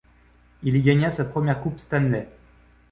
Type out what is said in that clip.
Il y gagna sa première Coupe Stanley.